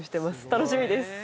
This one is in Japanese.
楽しみです